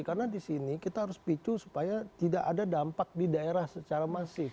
karena disini kita harus picu supaya tidak ada dampak di daerah secara masif